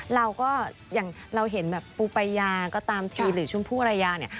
เราก็อย่างเราเห็นแบบปูปายาก็ตามทีหรือชมพู่อรยาเนี่ย